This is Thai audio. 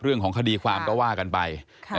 เรื่องของคดีความก็ว่ากันไป